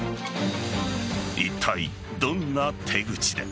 いったい、どんな手口で。